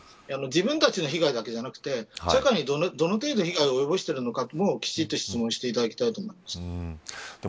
自分たちの被害だけじゃなくて社会に、どの程度被害を及ぼしているのかというところをきちっと質問していただきたいです。